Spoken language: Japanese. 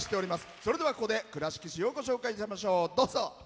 それでは、ここで倉敷市をご紹介しましょう。